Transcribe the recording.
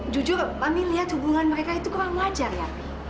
jujur kami lihat hubungan mereka itu kurang wajar ya